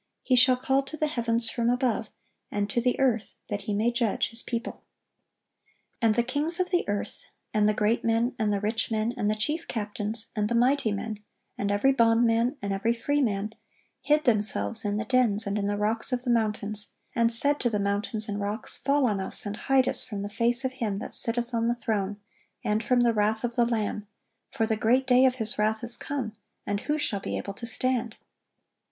He shall call to the heavens from above, and to the earth, that He may judge His people."(1107) "And the kings of the earth, and the great men, and the rich men, and the chief captains, and the mighty men, and every bondman, and every freeman, hid themselves in the dens and in the rocks of the mountains; and said to the mountains and rocks, Fall on us, and hide us from the face of Him that sitteth on the throne, and from the wrath of the Lamb: for the great day of His wrath is come; and who shall be able to stand?"